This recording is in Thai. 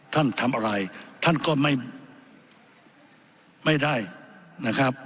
ท่านทำอะไรท่านก็ไม่ได้นะครับ